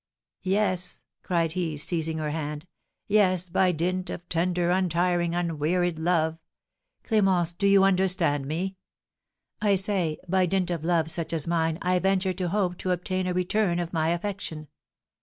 "Yes," cried he, seizing her hand, "yes, by dint of tender, untiring, unwearied love, Clémence, do you understand me? I say, by dint of love such as mine I venture to hope to obtain a return of my affection.